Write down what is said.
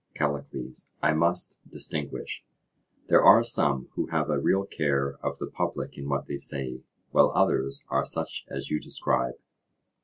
CALLICLES: I must distinguish. There are some who have a real care of the public in what they say, while others are such as you describe.